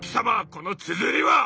このつづりは？